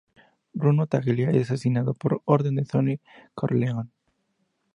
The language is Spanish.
Bruno Tattaglia es asesinado por orden de Sonny Corleone.